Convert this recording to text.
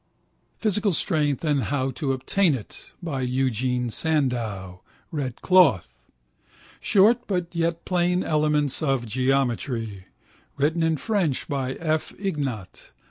Physical Strength and How to Obtain It by Eugen Sandow (red cloth). Short but yet Plain Elements of Geometry written in French by F. Ignat.